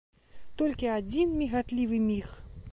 Толькі адзін мігатлівы міг.